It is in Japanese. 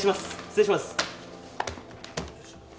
失礼します。